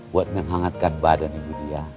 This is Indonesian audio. buat ngehangatkan badan nih bu diah